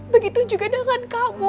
begitu juga dengan kamu